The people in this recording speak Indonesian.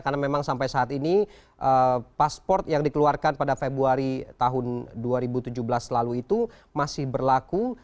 karena memang sampai saat ini pasport yang dikeluarkan pada februari tahun dua ribu tujuh belas lalu itu masih berlaku